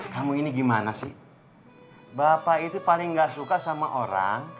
kamu ini gimana sih bapak itu paling gak suka sama orang